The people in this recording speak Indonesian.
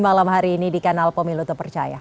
malam hari ini di kanal pemilu terpercaya